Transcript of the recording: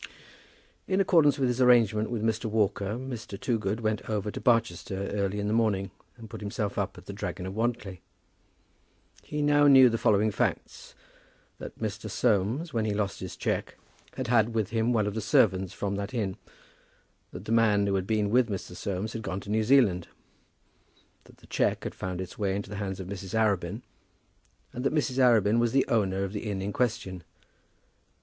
In accordance with his arrangement with Mr. Walker, Mr. Toogood went over to Barchester early in the morning and put himself up at "The Dragon of Wantly." He now knew the following facts: that Mr. Soames, when he lost his cheque, had had with him one of the servants from that inn, that the man who had been with Mr. Soames had gone to New Zealand, that the cheque had found its way into the hands of Mrs. Arabin, and that Mrs. Arabin was the owner of the inn in question.